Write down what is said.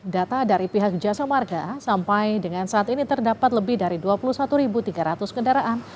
data dari pihak jasa marga sampai dengan saat ini terdapat lebih dari dua puluh satu tiga ratus kendaraan